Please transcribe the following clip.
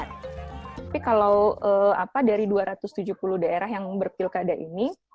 tapi kalau dari dua ratus tujuh puluh daerah yang berpilkada ini